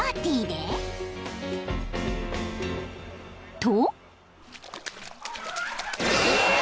［と］